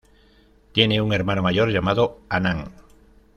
Tiene un hermano mayor llamado Anand.